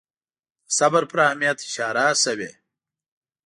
د صبر پر اهمیت اشاره شوې.